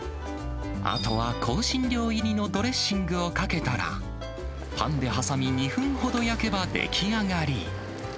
あとは香辛料入りのドレッシングをかけたら、パンで挟み、２分ほど焼けば出来上がり。